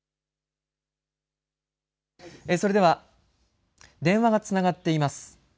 それでは電話がつながっています。